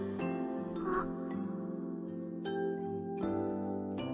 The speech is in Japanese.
あっ。